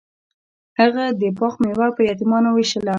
هغه د باغ میوه په یتیمانو ویشله.